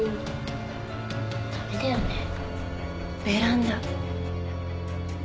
ベランダ。